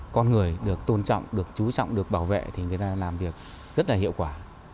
con người được tôn trọng được chú trọng được bảo vệ thì người ta làm việc rất là hiệu quả